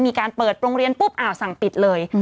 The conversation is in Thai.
มีการเปิดโรงเรียนปุ๊บสั่งปิดเลย